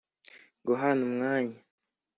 guhana umwanya: